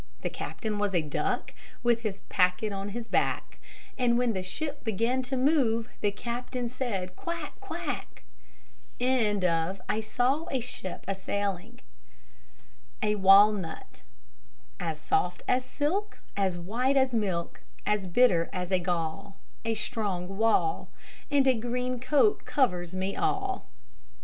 The captain was a duck, With a packet on his back; And when the ship began to move, The captain said, "Quack! Quack!" A WALNUT As soft as silk, as white as milk, As bitter as gall, a strong wall, And a green coat covers me all.